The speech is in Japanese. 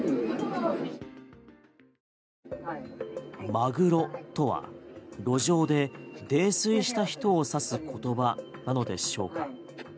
「まぐろ」とは路上で泥酔した人を指す言葉なのでしょうか？